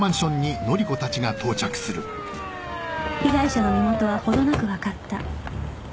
被害者の身元はほどなくわかった